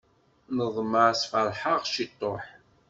Neḍmeɛ sferḥ-aɣ ciṭuḥ.